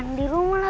yang penting ada